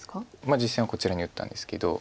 実戦はこちらに打ったんですけど。